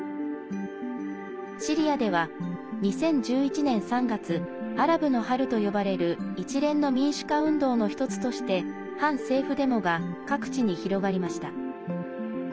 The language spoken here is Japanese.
シリアでは２０１１年３月「アラブの春」と呼ばれる一連の民主化運動の１つとして反政府デモが各地に広がりました。